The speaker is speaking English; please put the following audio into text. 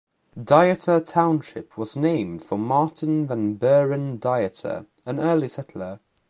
Dieter Township was named for Martin Van Buren Dieter, an early settler.